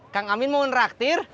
kang amin mau ngeraktir